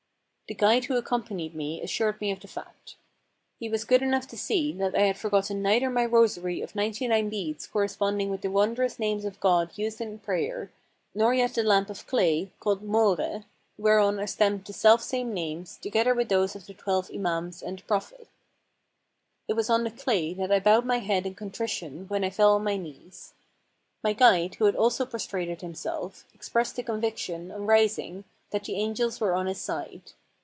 The guide who accompanied me assured me of the fact. He was good enough to see that I had forgotten neither my rosary of ninety nine beads corresponding with the wondrous names of God used in prayer, nor yet the lamp of clay (called mohre) whereon are stamped the selfsame names, together with those of the twelve Imansand the Prophet. It was on the clay that I bowed my head in contrition when I fell on my knees. My guide, who had also pros trated himself, expressed the conviction, on rising, that the angels were on his side.